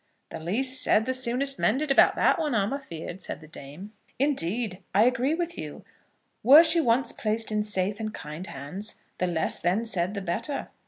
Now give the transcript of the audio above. "The least said the soonest mended about that one, I'm afeared," said the dame. "Indeed, I agree with you. Were she once placed in safe and kind hands, the less then said the better.